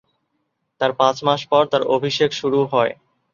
তার পাঁচ মাস পর তার অভিষেক শুরু হিয়।